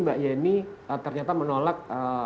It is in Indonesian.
mbak yeni ternyata menolak